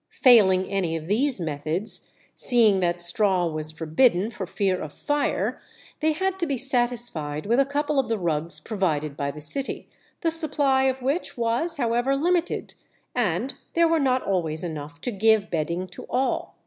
Failing any of these methods, seeing that straw was forbidden for fear of fire, they had to be satisfied with a couple of the rugs provided by the city, the supply of which was, however, limited, and there were not always enough to give bedding to all.